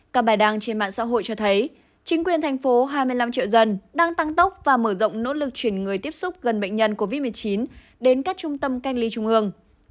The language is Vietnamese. các bài đăng trên mạng xã hội cho thấy chính quyền thành phố hai mươi năm triệu dân đang tăng tốc và mở rộng nỗ lực chuyển người tiếp xúc gần bệnh nhân covid một mươi chín đến các trung tâm canh ly trung ương